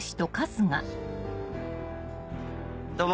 どうも。